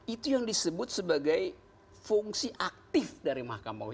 itu yang disebut sebagai fungsi aktif dari mahkamah